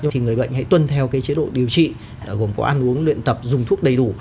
thì người bệnh hãy tuân theo chế độ điều trị gồm có ăn uống luyện tập dùng thuốc đầy đủ